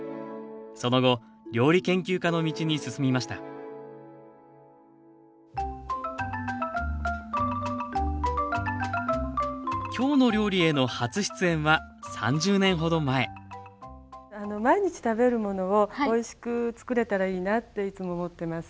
その後料理研究家の道に進みました「きょうの料理」への初出演は３０年ほど前毎日食べるものをおいしく作れたらいいなっていつも思ってます。